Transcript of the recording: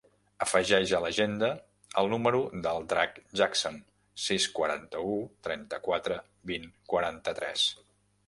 Afegeix a l'agenda el número del Drac Jackson: sis, quaranta-u, trenta-quatre, vint, quaranta-tres.